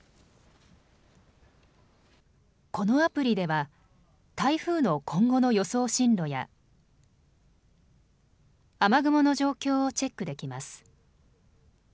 このアプリでは台風の今後の予想進路や雨雲の状況をチェックできます。